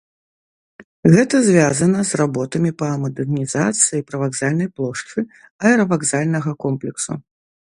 Гэта звязана з работамі па мадэрнізацыі прывакзальнай плошчы аэравакзальнага комплексу.